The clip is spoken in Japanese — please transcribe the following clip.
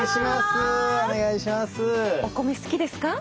お米好きですか？